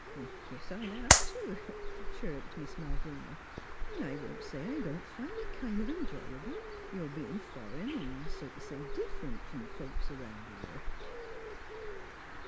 " u Guess I'll hev t'," chirruped Miss Malvina. " An' I won't say I don't find it kind of enjoyable your bein' fur'n an' so t' say differ'nt from th' folks 'round here."